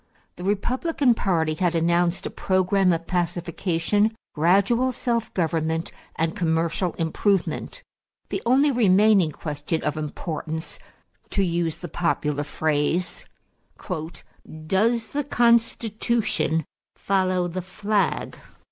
The Republican party had announced a program of pacification, gradual self government, and commercial improvement. The only remaining question of importance, to use the popular phrase, "Does the Constitution follow the flag?"